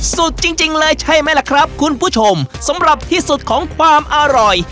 จริงจริงเลยใช่ไหมล่ะครับคุณผู้ชมสำหรับที่สุดของความอร่อย